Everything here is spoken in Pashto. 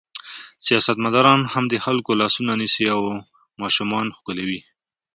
سیاستمداران هم د خلکو لاسونه نیسي او ماشومان ښکلوي.